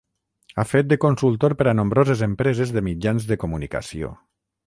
Ha fet de consultor per a nombroses empreses de mitjans de comunicació.